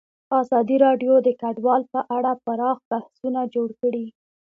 ازادي راډیو د کډوال په اړه پراخ بحثونه جوړ کړي.